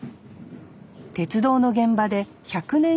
鉄道の現場で１００年